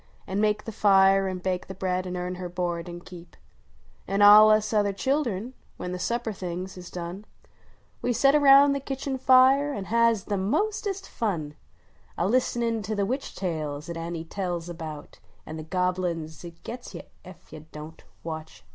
An make the fire, an hake the lircad. an earn her board an keep ; An all us other childcrn, when the supper things is done, \Ye >et around the kitchen fire an lias the mostest fun A list nin to the witch tales at Annie tells ahout, An the Gobble tins at gits vou Ef you Don t Watch ( Jut!